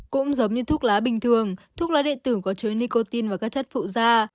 cũng giống như thuốc lá bình thường thuốc lá điện tử có chứa nicotine và các chất phụ da